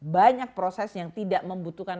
banyak proses yang tidak membutuhkan